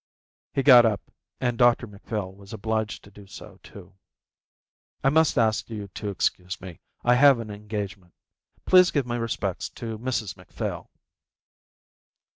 He got up and Dr Macphail was obliged to do so too. "I must ask you to excuse me. I have an engagement. Please give my respects to Mrs Macphail."